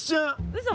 うそ！